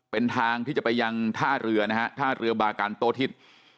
เป็นทางที่จะไปยังท่าเรือนะฮะท่าเรือบากันโตทิศ